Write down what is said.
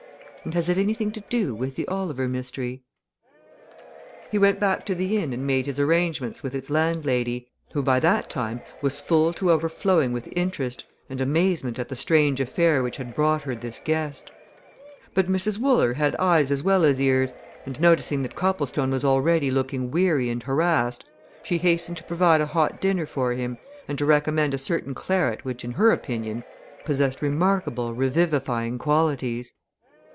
and has it anything to do with the Oliver mystery?" He went back to the inn and made his arrangements with its landlady, who by that time was full to overflowing with interest and amazement at the strange affair which had brought her this guest. But Mrs. Wooler had eyes as well as ears, and noticing that Copplestone was already looking weary and harassed, she hastened to provide a hot dinner for him, and to recommend a certain claret which in her opinion possessed remarkable revivifying qualities.